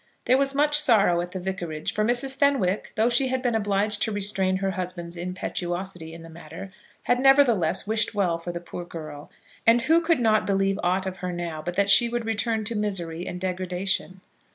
There was much sorrow at the vicarage; for Mrs. Fenwick, though she had been obliged to restrain her husband's impetuosity in the matter, had nevertheless wished well for the poor girl; and who could not believe aught of her now but that she would return to misery and degradation?